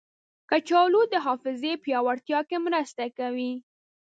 کچالو د حافظې پیاوړتیا کې مرسته کوي.